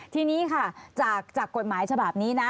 ทีนี้ค่ะจากกฎหมายฉบับนี้นะ